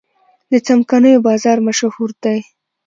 د څمکنیو بازار مشهور دی